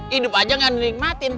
hidup aja gak ada nikmatin